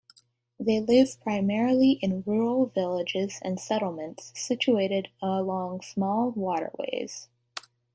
They live primarily in rural villages and settlements situated along small waterways.